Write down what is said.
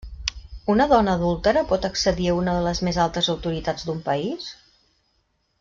Una dona adúltera pot accedir a una de les més altes autoritats d'un país?